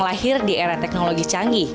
lahir di era teknologi canggih